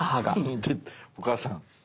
お母さん。